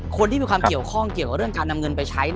คนที่มีความเกี่ยวข้องเกี่ยวกับเรื่องการนำเงินไปใช้